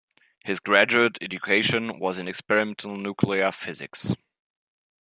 His graduate education was in experimental nuclear physics.